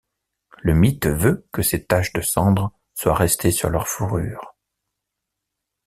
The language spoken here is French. Le mythe veut que ces taches de cendre soient restées sur leur fourrure.